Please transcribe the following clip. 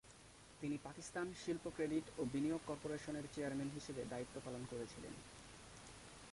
তিনি পাকিস্তান শিল্প ক্রেডিট ও বিনিয়োগ কর্পোরেশনের চেয়ারম্যান হিসাবে দায়িত্ব পালন করেছিলেন।